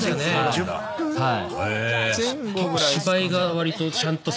はい。